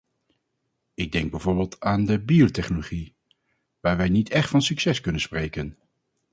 Ik denk bijvoorbeeld aan de biotechnologie, waar wij niet echt van succes kunnen spreken.